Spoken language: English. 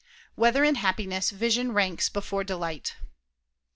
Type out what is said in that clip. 2] Whether in Happiness Vision Ranks Before Delight?